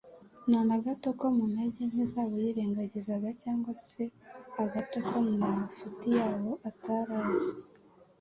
nta na gato ko mu ntege nke zabo yirengagizaga cyangwa se agato ko mu mafuti yabo atari azi;